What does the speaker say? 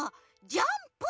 ジャンプ！